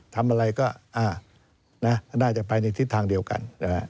ทำอะไรก็น่าจะไปในทิศทางเดียวกัน